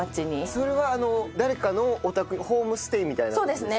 それは誰かのお宅にホームステイみたいな事ですか？